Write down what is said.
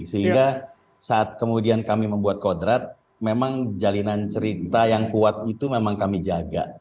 sehingga saat kemudian kami membuat kodrat memang jalinan cerita yang kuat itu memang kami jaga